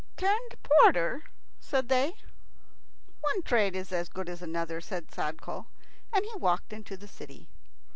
"Turned porter?" said they. "One trade is as good as another," said Sadko, and he walked into the city.